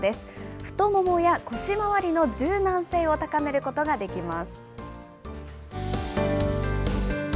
太ももや腰回りの柔軟性を高めることができます。